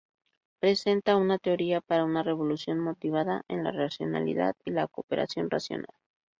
Presenta una teoría para una revolución motivada en la racionalidad y la cooperación racional.